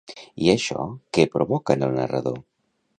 I això què provoca en el narrador?